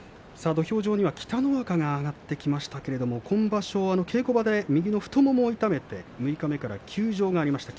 土俵上には北の若が上がってきましたけれど今場所、稽古場で右の太ももを痛めて六日目から休場がありました。